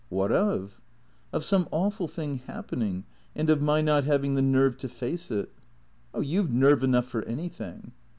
"What of?" " Of some awful thing happening and of my not having the nerve to face it." " You 've nerve enough for anything."